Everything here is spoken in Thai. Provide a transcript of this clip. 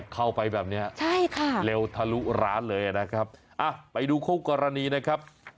เข้าไปแบบนี้เร็วทะลุร้านเลยนะครับไปดูโคกรณีนะครับ